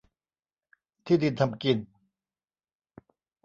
ที่ดินทำกิน